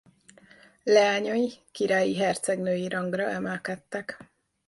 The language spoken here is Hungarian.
Leányai királyi hercegnői rangra emelkedtek.